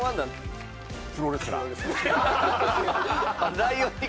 ライオンに。